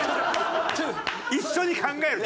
一緒に考える。